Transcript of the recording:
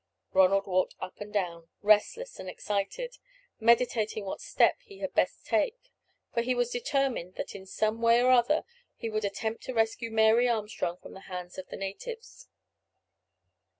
Ronald walked up and down, restless and excited, meditating what step he had best take, for he was determined that in some way or other he would attempt to rescue Mary Armstrong from the hands of the natives.